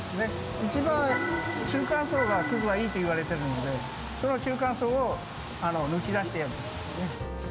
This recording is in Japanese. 一番、中間層が葛はいいといわれているので、その中間層を抜き出してやるんですね。